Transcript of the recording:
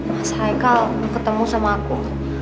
mas haikal ketemu sama aku